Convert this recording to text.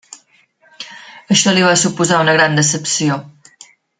Això li va suposar una gran decepció.